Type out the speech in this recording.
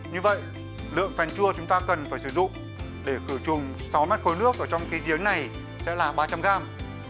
như vậy lượng phèn chua chúng ta cần phải sử dụng để khử trùng sáu mét khối nước trong cái giếng này sẽ là ba trăm linh gram